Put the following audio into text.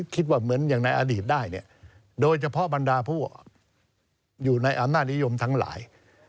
คิดว่าเหมือนอย่างในอดีตได้เนี่ยโดยเฉพาะบรรดาผู้อยู่ในอำนาจนิยมทั้งหลาย